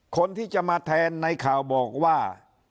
คนที่จะมาแทนในข่าวบอกว่า